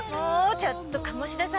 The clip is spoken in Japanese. ちょっと鴨志田さん